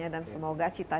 dan semoga aceh ustadz